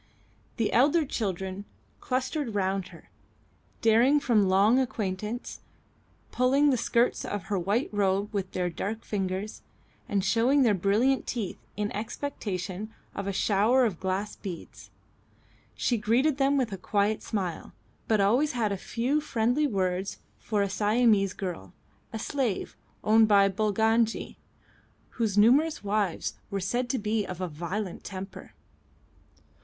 The elder children clustered round her, daring from long acquaintance, pulling the skirts of her white robe with their dark fingers, and showing their brilliant teeth in expectation of a shower of glass beads. She greeted them with a quiet smile, but always had a few friendly words for a Siamese girl, a slave owned by Bulangi, whose numerous wives were said to be of a violent temper.